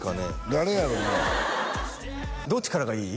誰やろうなどっちからがいい？